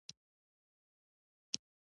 خو خیر اکبر جانه اندېښنه مه کوه.